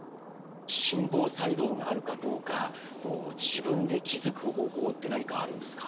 心房細動があるかどうか自分で気付く方法って何かあるんですか？